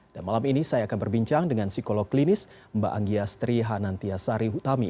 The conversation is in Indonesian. dan malam ini saya akan berbincang dengan psikolog klinis mbak anggiastri hanantiasari hutami